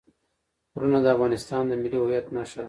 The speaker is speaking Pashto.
غرونه د افغانستان د ملي هویت نښه ده.